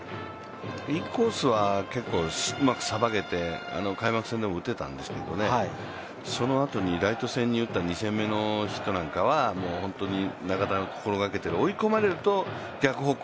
インコースはうまくさばけて、開幕戦でも打てたんですけど、そのあとにライト線に打った２戦目のヒットなんかは、もう本当に中田の心がけてる追い込まれると、逆方向